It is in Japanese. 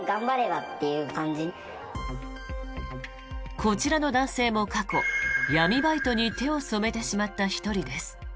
こちらの男性も過去闇バイトに手を染めてしまった１人です。